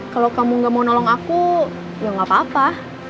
kalau kamu nggak mau nolong aku ya nggak apa apa